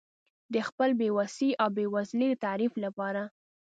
د خپل بې وسۍ او بېوزلۍ د تعریف لپاره.